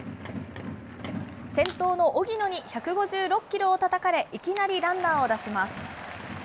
先頭の荻野に１５６キロをたたかれ、いきなりランナーを出します。